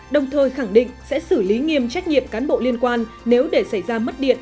đồng thời khẳng định sẽ xử lý nghiêm trách nhiệm cán bộ liên quan nếu để xảy ra mất điện